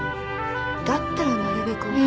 だったらなるべく多く。